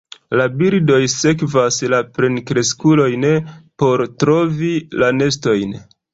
La birdoj sekvas la plenkreskulojn por trovi la nestojn.